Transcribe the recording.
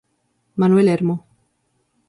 Manuel Hermo.